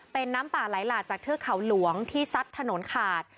เป็นน้ำป่าไหลหลากจากเทือกเขาหลวงที่ซัดถนนขาด